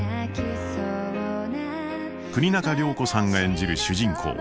国仲涼子さんが演じる主人公